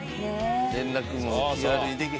連絡も気軽にできへんし。